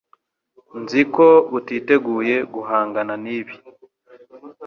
Nzi ko utiteguye guhangana nibi